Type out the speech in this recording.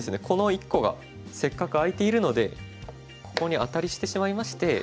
この１個がせっかく空いているのでここにアタリしてしまいまして。